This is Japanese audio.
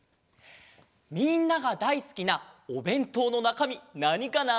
みんながだいすきなおべんとうのなかみなにかな？